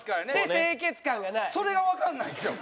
それがわかんないんっすよ。